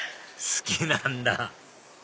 好きなんだ